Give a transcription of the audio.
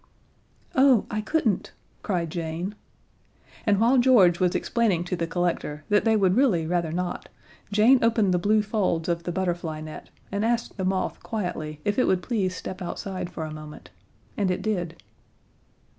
"Oh, I couldn't!" cried Jane. And while George was explaining to the collector that they would really rather not, Jane opened the blue folds of the butterfly net, and asked the moth quietly if it would please step outside for a moment. And it did.